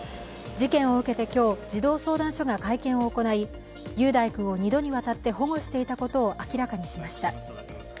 事件を受けて今日、児童相談所が会見を行い雄大君を２度にわたって保護していたことを明らかにしました。